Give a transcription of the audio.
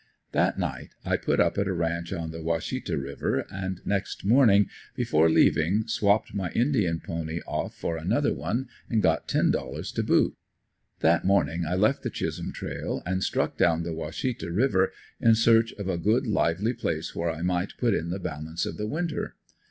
That night I put up at a ranch on the Washita river and next morning before leaving swapped my indian pony off for another one and got ten dollars to boot. That morning I left the Chisholm trail and struck down the Washita river, in search of a good, lively place where I might put in the balance of the winter.